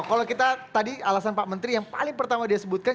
kalau kita tadi alasan pak menteri yang paling pertama dia sebutkan